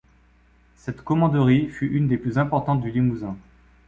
Cette commanderie fut une des plus importantes du Limousin.